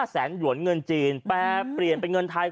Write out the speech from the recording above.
แสนหยวนเงินจีนแปรเปลี่ยนเป็นเงินไทย